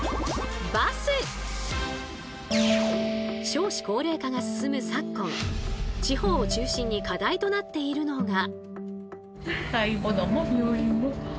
少子高齢化が進む昨今地方を中心に課題となっているのが。